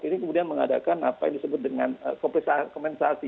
ini kemudian mengadakan apa yang disebut dengan kompensasi